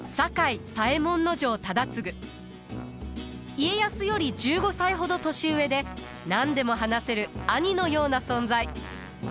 家康より１５歳ほど年上で何でも話せる兄のような存在。